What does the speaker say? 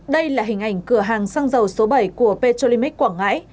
đây là hình ảnh cửa hàng xăng dầu số bảy của petrolimic quảng ngãi